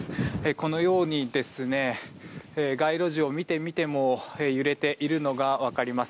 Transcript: このように、街路樹を見てみても揺れているのが分かります。